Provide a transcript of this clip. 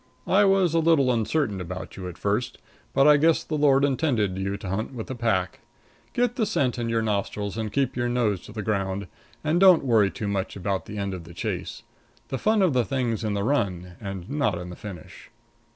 I was a little uncertain about you at first, but I guess the Lord intended you to hunt with the pack. Get the scent in your nostrils and keep your nose to the ground, and don't worry too much about the end of the chase. The fun of the thing's in the run and not in the finish.